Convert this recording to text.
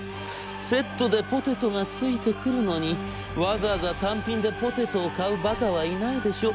セットでポテトが付いてくるのにわざわざ単品でポテトを買うバカはいないでしょう？』。